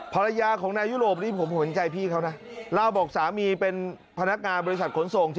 ภรรยาของนายยุโรปนี่ผมเห็นใจพี่เขานะเล่าบอกสามีเป็นพนักงานบริษัทขนส่ง